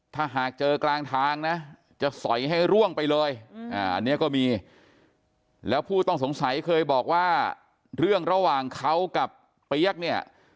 ถ้าหากเจอกลางทางนะจะสอยให้ร่วงไปเลยอันนี้ก็มีแล้วผู้ต้องสงสัยเคยบอกว่าเรื่องระหว่างเขากับเปี๊ยกเนี่ย